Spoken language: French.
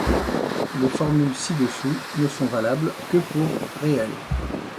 Les formules ci-dessous ne sont valables que pour réel.